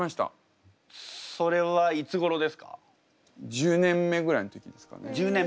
１０年目ぐらいの時ですかね。